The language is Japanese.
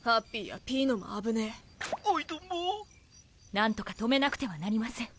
何とか止めなくてはなりません。